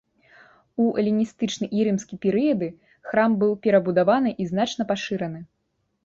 У эліністычны і рымскі перыяды храм быў перабудаваны і значна пашыраны.